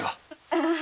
ああ。